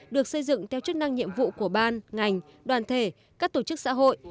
được xây dựng theo chức năng nhiệm vụ của ban ngành đoàn thể các tổ chức xã hội